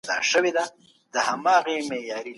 نړیوال عدالت د قانون د بشپړ تطبیق لپاره دی.